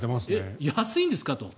安いんですかと。